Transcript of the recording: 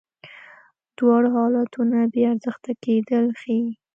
دواړه حالتونه بې ارزښته کېدل ښیې.